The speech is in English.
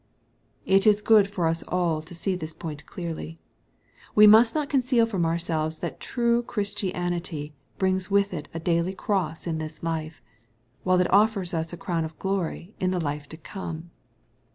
It is good for us all to see this point clearly. We must not conceal from ourselves that true Christianity brings with it a daily cross in this life, while it offers us a crown of glory in the life to come.